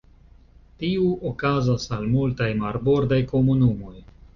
Tiu okazas al multaj marbordaj komunumoj.